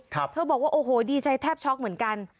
เธอบอกว่าโอ้โหดีใจแทบช็อกเหมือนกัน